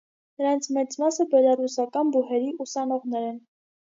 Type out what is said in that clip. Նրանց մեծ մասը բելառուսական բուհերի ուսանողներ են։